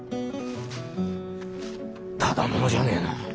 ただ者じゃねえな